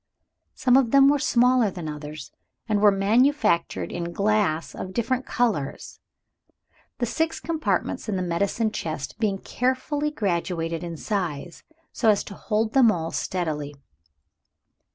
Some of them were smaller than others, and were manufactured in glass of different colors the six compartments in the medicine chest being carefully graduated in size, so as to hold them all steadily.